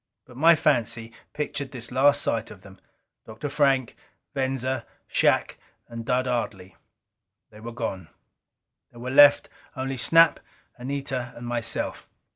But my fancy pictured this last sight of them, Dr. Frank, Venza, Shac and Dud Ardley. They were gone. There were left only Snap, Anita and myself.